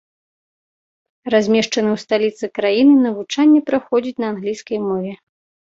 Размешчаны ў сталіцы краіны, навучанне праходзіць на англійскай мове.